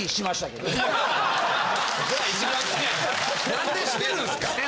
何でしてるんですか？